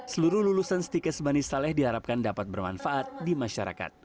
seluruh lulusan stikes bani saleh diharapkan dapat bermanfaat di masyarakat